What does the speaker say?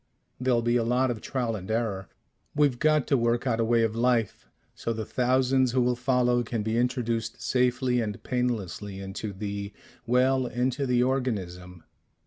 There'll be a lot of trial and error. We've got to work out a way of life, so the thousands who will follow can be introduced safely and painlessly into the well, into the organism.